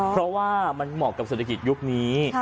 เพราะว่ามันเหมาะกับเศรษฐกิจยุคนี้